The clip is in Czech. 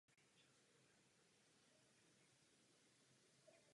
Později měl na jeho styl vliv Albrecht Dürer.